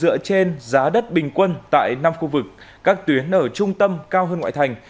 giữa trên giá đất bình quân tại năm khu vực các tuyến ở trung tâm cao hơn ngoại thành